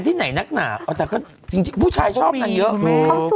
ที่ไหนหนักหนาเอาจัดก็จริงจริงผู้ชายชอบทำ